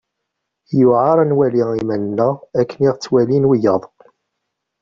Yuεer ad nwali iman-nneɣ akken i ɣ-ttwalin wiyaḍ.